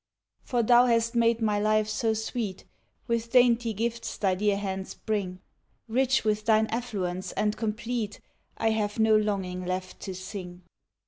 For thou hast made my life so sweet, With dainty gifts thy dear hands bring, Rich with thine affluence, and complete, I have no longing left to sing.